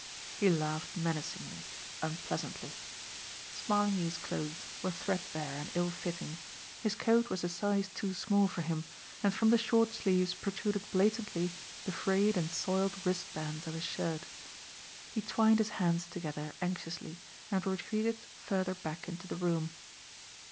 He laughed menacingly, unpleasantly. Smarlinghue's clothes were threadbare and ill fitting; his coat was a size too small for him, and from the short sleeves protruded blatantly the frayed and soiled wristbands of his shirt. He twined his hands together anxiously, and retreated further back into the room.